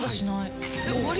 え終わり？